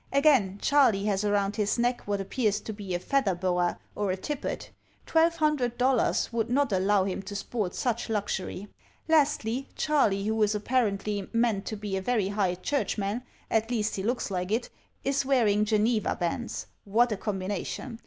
Again, Charley has around his neck what appears to be a feather boa or a tippet. Twelve hundred dollars would not allow him to sport such luxury. Lastly, Charley, who is apparently meant to be a very high churchman, at least he looks like it, is wearing Geneva bands! What a combination!